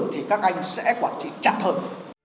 thì các anh sẽ quản trị chặt hơn